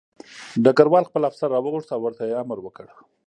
ډګروال خپل افسر راوغوښت او ورته یې امر وکړ